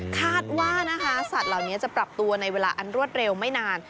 คาดว่านะคะสัตว์เหล่านี้จะปรับตัวในเวลาอันรวดเร็วไม่นาน